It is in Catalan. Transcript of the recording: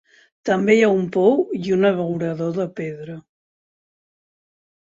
També hi ha un pou i un abeurador de pedra.